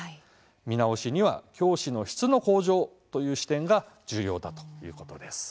見直しには教師の質の向上という視点が重要だということです。